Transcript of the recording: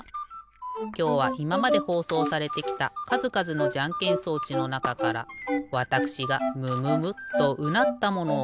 きょうはいままでほうそうされてきたかずかずのじゃんけん装置のなかからわたくしがムムムッとうなったものをごしょうかい。